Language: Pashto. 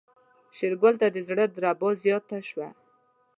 شېرګل ته د زړه دربا زياته شوه.